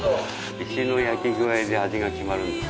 石の焼き具合で味が決まるんです。